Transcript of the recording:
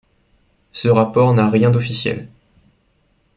Ce rapport n'a rien d'officiel.